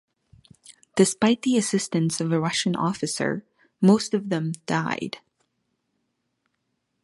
Despite the assistance of a Russian officer, most of them died.